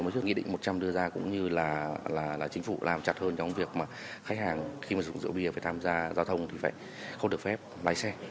ví dụ nghị định một trăm linh đưa ra cũng như là chính phủ làm chặt hơn trong việc mà khách hàng khi mà dùng rượu bia phải tham gia giao thông thì phải không được phép lái xe